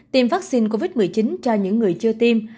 tiêm vaccine covid một mươi chín cho những người chưa tiêm